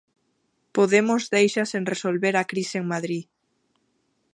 Podemos deixa sen resolver a crise en Madrid.